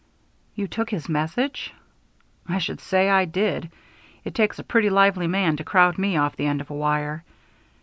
"You took his message?" "I should say I did. It takes a pretty lively man to crowd me off the end of a wire.